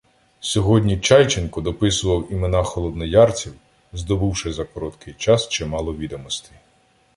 Сьогодні Чайченко дописував імена холод- ноярців, здобувши за короткий час чимало відомостей.